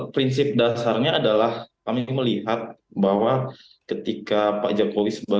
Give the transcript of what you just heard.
prinsip dasarnya adalah kami melihat bahwa ketika pak jokowi sebagai